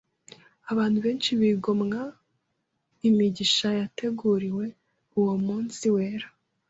abantu benshi bigomwa imigisha yateguriwe uwo munsi wera.